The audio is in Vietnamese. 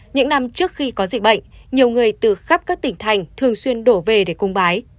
những năm trước khi có dịch bệnh nhiều người từ khắp các tỉnh thành thường xuyên đổ về để cung bái